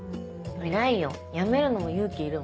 偉いよやめるのも勇気いるもん。